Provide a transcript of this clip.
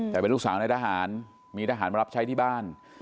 แต่เป็นลูกสาวในทหารมีทหารมารับใช้ที่บ้าน